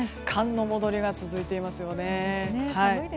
寒の戻りが続いていますよね。